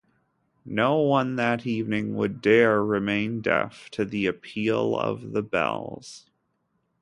No one that evening would dare remain deaf to the appeal of the bells.